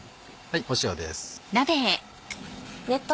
塩です。